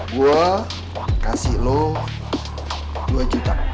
gue kasih lo dua juta